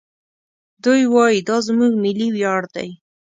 دوی وايي دا زموږ ملي ویاړ دی.